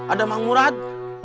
ada mang murad